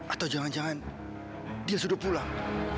atau jangan jangan dia sudah pulang